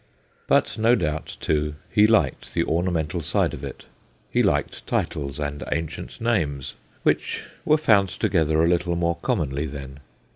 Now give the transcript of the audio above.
But no doubt, too, he liked the ornamental side of it. He liked titles and ancient names, which were found together a little more commonly then.